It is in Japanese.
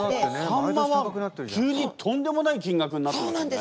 サンマは急にとんでもない金額になってますよね。